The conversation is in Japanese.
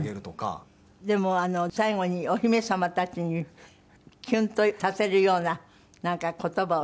でも最後にお姫様たちにキュンとさせるようななんか言葉を。